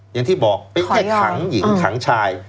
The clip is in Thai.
อย่างที่บอกไปแค่ขังหญิงขังชาย